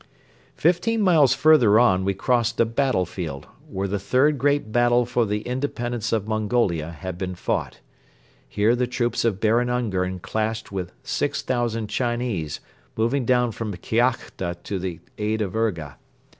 Fifteen miles further on we crossed a battlefield, where the third great battle for the independence of Mongolia had been fought. Here the troops of Baron Ungern clashed with six thousand Chinese moving down from Kiakhta to the aid of Urga.